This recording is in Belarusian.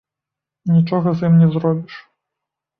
Нічога з ім не зробіш.